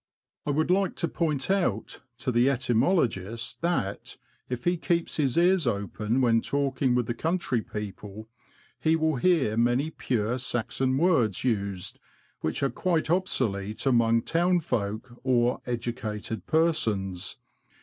I would like to point out to the etymologist that, if he keeps his ears open when talking with the country people, he will hear many pure Saxon words used, which are quite obsolete among town folk or educated persons.